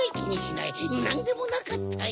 なんでもなかったよ。